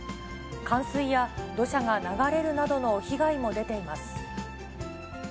冠水や土砂が流れるなどの被害も出ています。